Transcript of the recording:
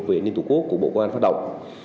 về an ninh tổ quốc của bộ công an phát động